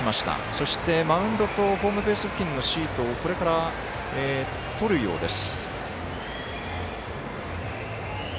そして、マウンドとホームベース付近のシートをこれから、とるようです。